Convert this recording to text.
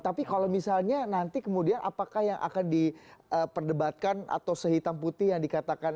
tapi kalau misalnya nanti kemudian apakah yang akan diperdebatkan atau sehitam putih yang dikatakan